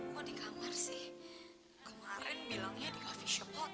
mau di kamar sih kemarin bilangnya di coffee shop